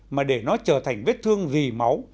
mà để nó trở thành vết thương dì máu